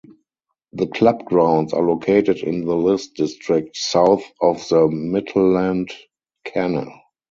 The club grounds are located in the List district south of the Mittelland Canal.